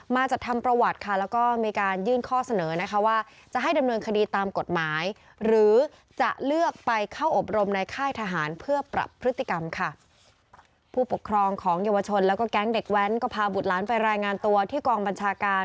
มาจัดทำประวัติค่ะแล้วก็มีการยื่นข้อเสนอนะคะว่า